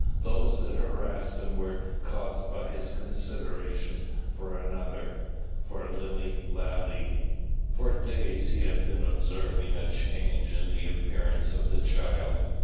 Those that harassed him were caused by his consideration for another, for Lilly Lalee. For days he had been observing a change in the appearance of the child.